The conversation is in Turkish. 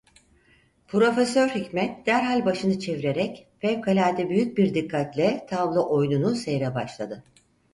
Profesör Hikmet derhal başını çevirerek fevkalade büyük bir dikkatle tavla oyununu seyre başladı.